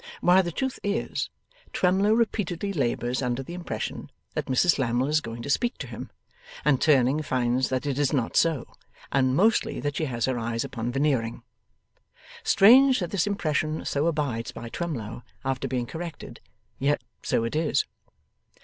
Why, the truth is, Twemlow repeatedly labours under the impression that Mrs Lammle is going to speak to him, and turning finds that it is not so, and mostly that she has her eyes upon Veneering. Strange that this impression so abides by Twemlow after being corrected, yet so it is.